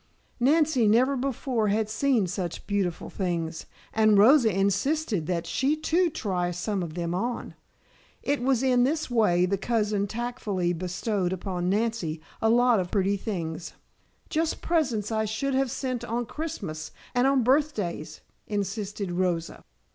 Nancy never before had seen such beautiful things, and Rosa insisted that she too try some of them on. It was in this way the cousin tactfully bestowed upon Nancy a lot of pretty things "just presents I should have sent on Christmas and on birthdays," insisted Rosa.